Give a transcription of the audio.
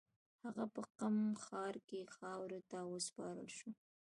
هغه په قم ښار کې خاورو ته وسپارل شو.